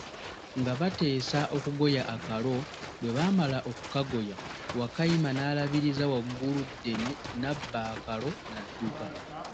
Nga bateesa okugoya akalo, bwebaamala okugoya, Wakayima naalabiriza Wagguluddene nabba akalo nadduka.